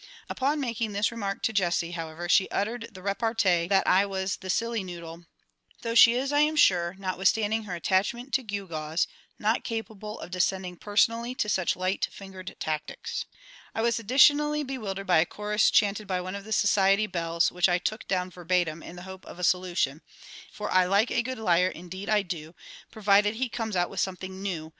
Upon making this remark to JESSIE, however, she uttered the repartee that I was the silly noodle; though she is, I am sure, notwithstanding her attachment to gewgaws, not capable of descending personally to such light fingered tactics. I was additionally bewildered by a chorus chanted by one of the Society Belles, which I took down verbatim, in the hope of a solution. It was as follows: "For I like a good liar, indeed I do! Provided he comes out with something new!